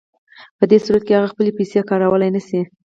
په دې صورت کې هغه خپلې پیسې کارولی نشي